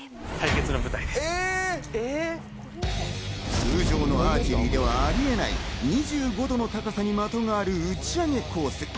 通常のアーチェリーではありえない２５度の高さに的がある打ち上げコース。